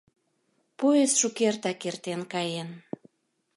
Поезд шукертак эртен каен.